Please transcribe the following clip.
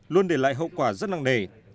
luôn để lại hậu quả rất năng nề